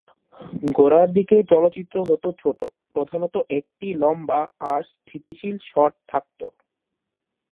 গোড়ার দিকে চলচ্চিত্র হত ছোট, প্রধানত একটিই লম্বা আর স্থিতিশীল শট থাকত।